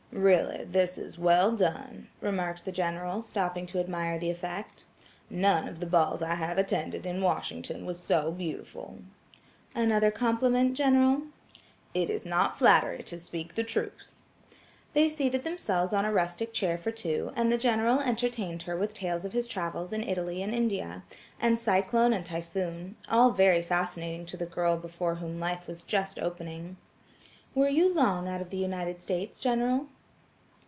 "Really, this is well done," remarked the General, stopping to admire the effect. "None of the balls I have attended in Washington was so beautiful." "Another compliment, General?" "It is not flattery to speak the truth." They seated themselves on a rustic chair for two, and the General entertained her with tales of his travels in Italy and India, and cyclone and typhoon, all very fascinating to the girl before whom life was just opening. "Were you long out of the United States, General?"